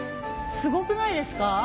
すごくないですか？